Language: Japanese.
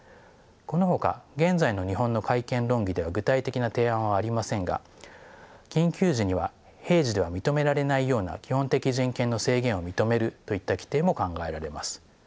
このほか現在の日本の改憲論議では具体的な提案はありませんが緊急時には平時では認められないような基本的人権の制限を認めるといった規定も考えられます。